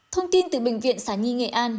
thông tin từ bệnh viện sá nhi nghệ an